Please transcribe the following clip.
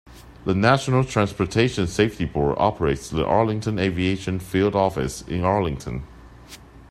The National Transportation Safety Board operates the Arlington Aviation field office in Arlington.